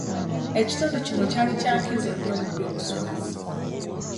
Ekitundu kino kyali kya nkizo nnyo mu byobusuubuzi.